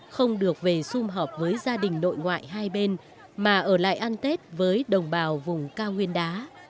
không được về xung họp với gia đình nội ngoại hai bên mà ở lại ăn tết với đồng bào vùng cao nguyên đá